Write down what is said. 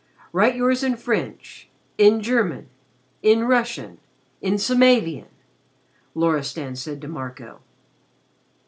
"Write yours in French in German in Russian in Samavian," Loristan said to Marco.